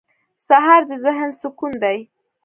سهار د ذهن سکون دی.